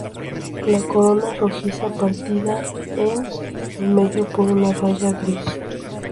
La corona es rojiza, partida en el medio por una raya gris.